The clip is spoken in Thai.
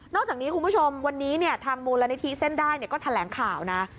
อกจากนี้คุณผู้ชมวันนี้ทางมูลนิธิเส้นได้ก็แถลงข่าวนะ